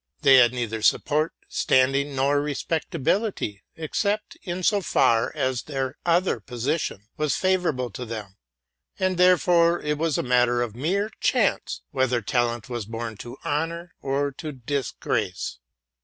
They had neither support, standing, nor respectability, except in so far as their other position was favorable to them; and therefore it was a matter of mere chance whether talent was born to honor or to disgrace.